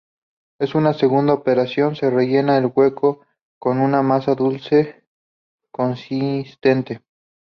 En una segunda operación se rellena el hueco con una masa dulce consistente.